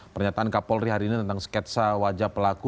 pernyataan kapolri hari ini tentang sketsa wajah pelaku